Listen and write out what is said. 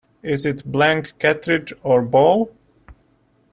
Is it blank cartridge or ball?